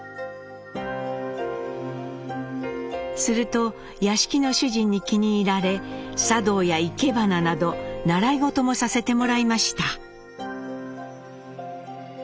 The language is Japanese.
すると屋敷の主人に気に入られ茶道や生け花など習い事もさせてもらいました。